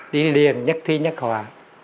đi liền nhất thi nhất hoa